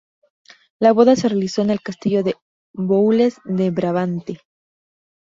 La boda se realizó en el Castillo de Boulez de Brabante.